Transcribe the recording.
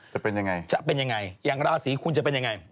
จะเป็นยังไงจะเป็นยังไงอย่างราศีคุณจะเป็นยังไง